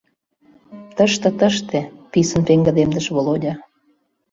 — Тыште, тыште, — писын пеҥгыдемдыш Володя.